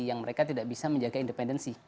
yang mereka tidak bisa menjaga independensi